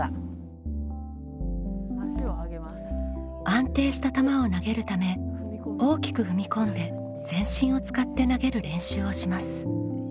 安定した球を投げるため大きく踏み込んで全身を使って投げる練習をします。